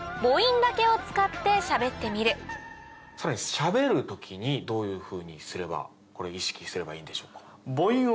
さらにしゃべる時にどういうふうにすれば意識すればいいんでしょうか？